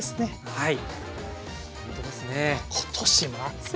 はい。